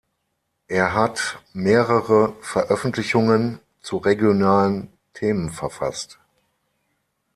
Er hat mehrere Veröffentlichungen zu regionalen Themen verfasst.